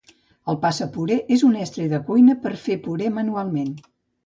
El passapuré és un estri de cuina per a fer puré manualment.